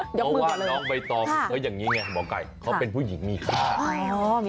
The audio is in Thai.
เฮ้ยเดี๋ยวว่าน้องไปตอบอย่างนี้ไงหมอไก่เขาเป็นผู้หญิงมีค่า